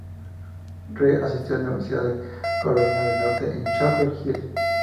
Reed asistió a la Universidad de Carolina del Norte en Chapel Hill.